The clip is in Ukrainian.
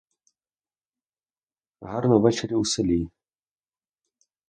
Гарно увечері в селі.